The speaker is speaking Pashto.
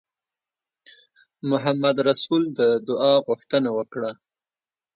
محمدرسول د دعا غوښتنه وکړه.